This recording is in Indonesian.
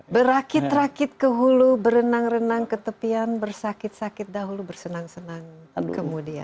berakit rakit ke hulu berenang renang ke tepian bersakit sakit dahulu bersenang senang kemudian